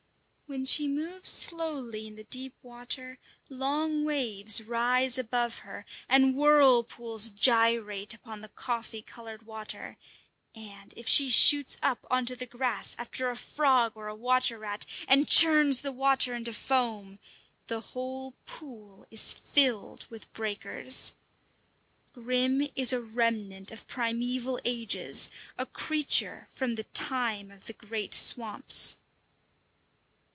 When she moves slowly in the deep water, long waves rise above her, and whirlpools gyrate upon the coffee coloured water; and if she shoots up on to the grass after a frog or a water rat, and churns the water into foam, the whole pool is filled with breakers. Grim is a remnant of primeval ages, a creature from the time of the great swamps.